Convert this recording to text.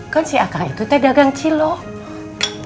kan si akang itu teh dagang cilok